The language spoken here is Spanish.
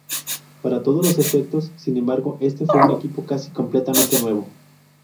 Para todos los efectos, sin embargo, este fue un equipo casi completamente nuevo.